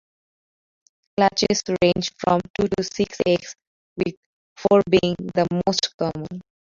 Clutches range from two to six eggs with four being the most common.